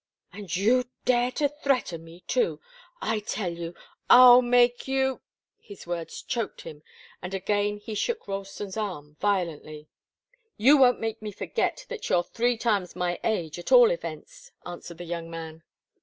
"And you dare to threaten me, too I tell you I'll make you " His words choked him, and again he shook Ralston's arm violently. "You won't make me forget that you're three times my age, at all events," answered the young man.